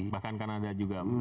bahkan kan ada juga